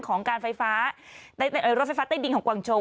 ของรถไฟฟ้าใต้ดินของกว่างโจ